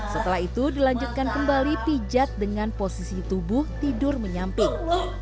setelah itu dilanjutkan kembali pijat dengan posisi tubuh tidur menyamping